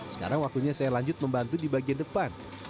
sekarang waktunya saya lanjut membantu di bagian depan